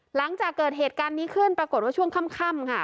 หลังจากเกิดเหตุการณ์นี้ขึ้นปรากฏว่าช่วงค่ำค่ะ